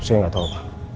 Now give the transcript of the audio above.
saya gak tau pak